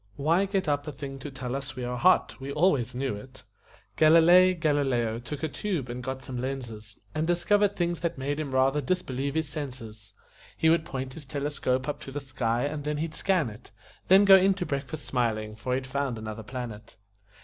Why get up a thing to tell us we are hot? We always knew it." Galilei Galileo took a tube and got some lenses And discovered things that made him rather disbelieve his senses; He would point his telescope up to the sky and then he'd scan it, Then go in to breakfast smiling, for he'd found another planet.